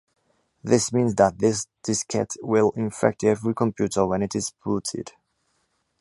This means that this diskette will infect every computer when it is booted.